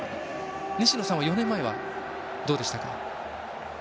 西野さんは４年前はどうでしたか。